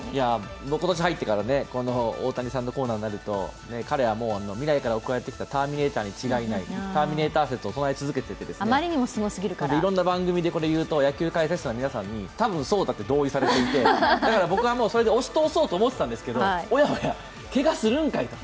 今年に入ってから大谷さんのコーナーになると彼は未来から送られてきたターミネーターに違いないとターミネーター説をとなえ続けていて、いろんな番組で、これ言うと、野球解説者の皆さんにたぶんそうだ同意されてだから僕はもうそれで押し通そうと思っていたんですけど、おやおや、けがするんかいと。